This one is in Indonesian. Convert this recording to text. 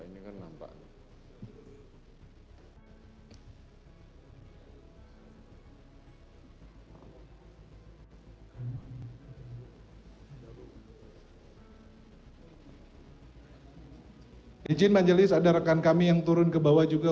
izin majelis ada rekan kami yang turun ke bawah juga